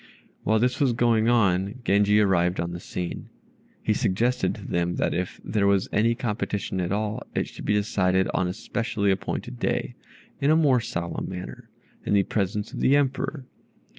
While this was going on, Genji arrived on the scene. He suggested to them that if there was any competition at all it should be decided on a specially appointed day, in a more solemn manner, in the presence of the Emperor.